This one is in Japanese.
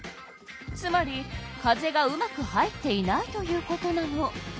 つまり風がうまく入っていないということなの。